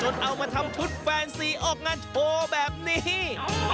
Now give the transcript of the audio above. เอามาทำชุดแฟนซีออกงานโชว์แบบนี้